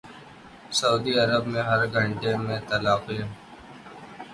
سعودی عرب میں ہر گھنٹے میں طلاقیں